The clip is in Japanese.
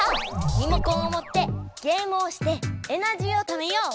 リモコンをもってゲームをしてエナジーをためよう！